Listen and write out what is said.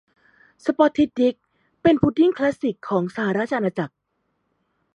สป็อททิด ดิก เป็นพุดดิ้งคลาสสิกของสหราชอาณาจักร